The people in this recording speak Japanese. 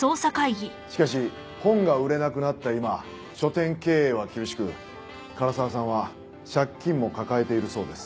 しかし本が売れなくなった今書店経営は厳しく唐沢さんは借金も抱えているそうです。